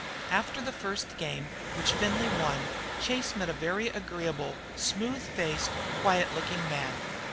After the first game, which Findlay won, Chase met a very agreeable, smoothfaced, quiet looking man.